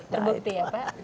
terbukti ya pak